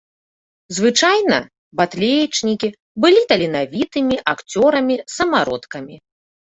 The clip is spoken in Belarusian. Звычайна, батлеечнікі былі таленавітымі акцёрамі-самародкамі.